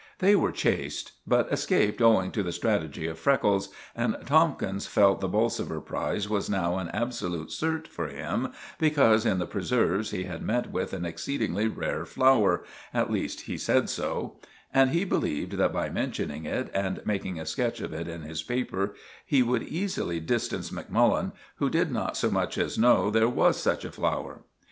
They were chased, but escaped owing to the strategy of Freckles; and Tomkins felt the 'Bolsover' prize was now an absolute cert for him, because in the preserves he had met with an exceedingly rare flower—at least, he said so; and he believed that by mentioning it, and making a sketch of it in his paper, he would easily distance Macmullen, who did not so much as know there was such a flower.